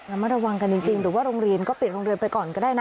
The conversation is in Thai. มาระวังกันจริงหรือว่าโรงเรียนก็ปิดโรงเรียนไปก่อนก็ได้นะ